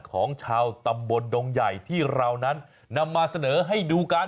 ของชาวตำบลดงใหญ่ที่เรานั้นนำมาเสนอให้ดูกัน